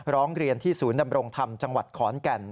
ร้องเรียนที่ศูนย์ดำรงธรรมจังหวัดขอนแก่น